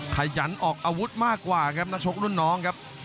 ขยันออกอาวุธมากกว่าครับนักชกรุ่นน้องครับ